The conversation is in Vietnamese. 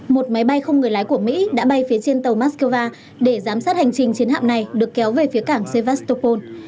một máy bay không người lái của mỹ đã bay phía trên tàu moscow để giám sát hành trình chiến hạm này được kéo về phía cảng sevastopol